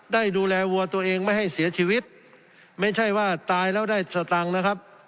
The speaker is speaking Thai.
ได้ดูแลวัวตัวเองไม่ให้เสียชีวิตไม่ใช่ว่าตายแล้วได้สตังค์นะครับ